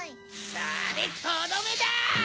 それとどめだ！